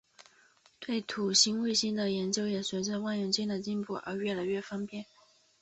对土星卫星的研究也随着望远镜的进步而越来越方便。